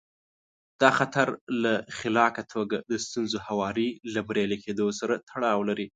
دا خطر له خلاقه توګه د ستونزو هواري له بریالي کېدو سره تړاو لري.